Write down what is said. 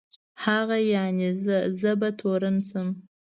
هغه یعني زه، زه به تورن شم.